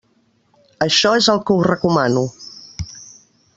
Això és el que us recomano.